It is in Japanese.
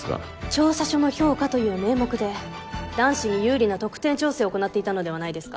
「調査書の評価」という名目で男子に有利な得点調整を行っていたのではないですか？